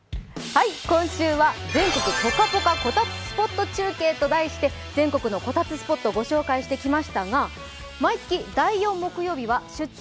今週は「全国ポカポカこたつ中継」として全国のこたつスポットをご紹介してきましたが、毎月第４木曜日は「出張！